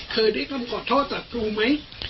เคยได้คำขอโทษจากครูไหม